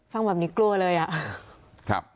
ฟังแบบนี้กลัวเลยอ่ะ